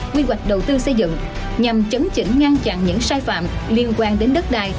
quy hoạch đầu tư xây dựng nhằm chấn chỉnh ngăn chặn những sai phạm liên quan đến đất đai